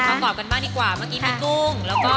มาดูสุดข้างกรอบกันบ้างดีกว่าเมื่อกี้เป็นกุ้งแล้วก็